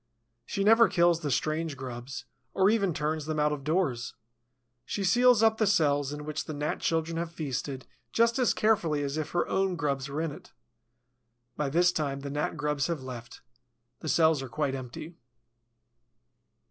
She never kills the strange grubs, or even turns them out of doors. She seals up the cells in which the Gnat children have feasted just as carefully as if her own grubs were in it. By this time the Gnat grubs have left. The cells are quite empty.